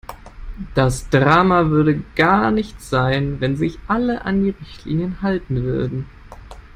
Das Drama würde gar nicht sein, wenn sich alle an die Richtlinien halten würden.